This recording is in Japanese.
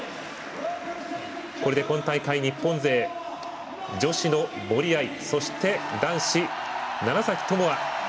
これで、今大会、日本勢女子の森秋彩そして男子、楢崎智亜。